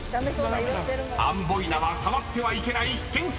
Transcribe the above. ［アンボイナは触ってはいけない危険生物か？］